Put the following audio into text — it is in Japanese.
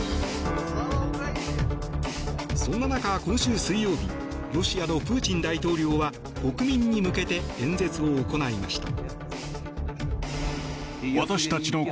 そんな中、今週水曜日ロシアのプーチン大統領は国民に向けて演説を行いました。